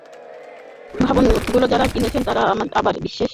ভবনগুলো যাঁরা কিনছেন, তাঁরা আবার বিশ্বের বিভিন্ন দেশের ধনকুবের হিসেবে খ্যাত।